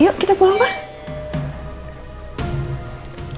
yuk kita pulang pak